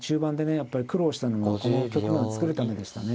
やっぱり苦労したのもこの局面を作るためでしたね。